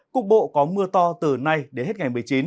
cục bộ có mưa to từ nay đến hết ngày một mươi chín